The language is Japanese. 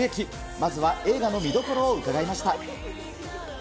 まずは映画の見どころを伺いました。